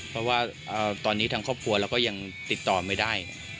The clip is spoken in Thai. เพราะว่าตอนนี้ทางครอบครัวเราก็ยังติดต่อไม่ได้